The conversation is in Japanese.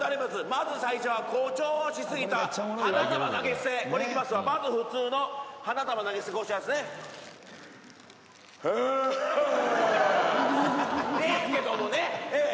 まず最初は誇張しすぎた花束投げ捨てこれいきますわまず普通の花束投げ捨てこうしますねはーはーっですけどもねええ